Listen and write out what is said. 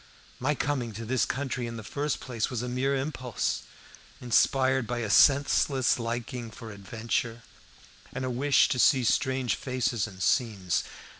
My coming to this country in the first place was a mere impulse, inspired by a senseless liking for adventure and a wish to see strange faces and scenes.